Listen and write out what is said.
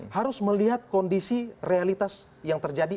harus melihat kondisi realitas yang terjadi